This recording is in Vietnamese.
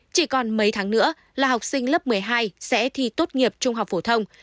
chỉ còn mấy tháng nữa là học sinh lớp một mươi hai sẽ thi tốt nghiệp trung học phổ thông